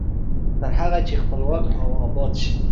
تر هغه چې خپلواک او اباد شو.